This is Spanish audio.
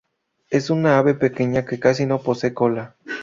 Es un ave pequeña que casi no posee cola.